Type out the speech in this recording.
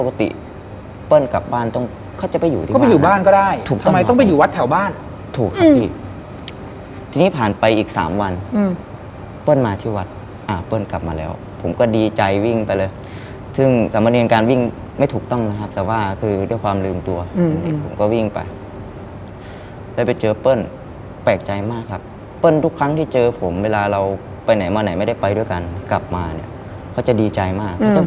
พี่แจ้งหาให้ไปเรื่องหรอพี่แจ้งหาให้ไปเรื่องหรอพี่แจ้งหาให้ไปเรื่องหรอพี่แจ้งหาให้ไปเรื่องหรอพี่แจ้งหาให้ไปเรื่องหรอพี่แจ้งหาให้ไปเรื่องหรอพี่แจ้งหาให้ไปเรื่องหรอพี่แจ้งหาให้ไปเรื่องหรอพี่แจ้งหาให้ไปเรื่องหรอพี่แจ้งหาให้ไปเรื่องหรอพี่แจ้งหาให้ไปเรื่องหรอพ